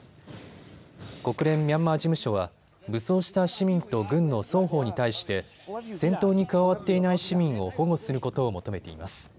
国連ミャンマー事務所は武装した市民と軍の双方に対して戦闘に加わっていない市民を保護することを求めています。